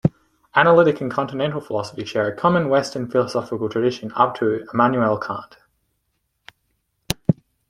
Analytic and continental philosophy share a common Western philosophical tradition up to Immanuel Kant.